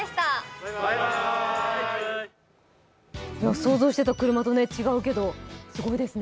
想像していた車と違うけど、すごいですね。